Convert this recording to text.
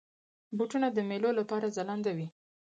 بوټونه د میلو لپاره ځلنده وي.